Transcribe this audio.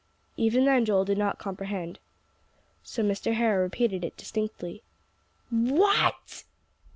Even then Joel did not comprehend. So Mr. Harrow repeated it distinctly. "_What!